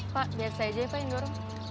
pak biasa aja ya pak yang mendorong